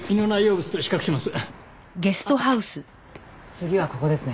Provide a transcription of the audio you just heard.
次はここですね。